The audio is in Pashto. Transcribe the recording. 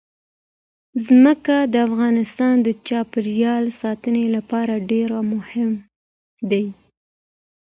ځمکه د افغانستان د چاپیریال ساتنې لپاره ډېر مهم دي.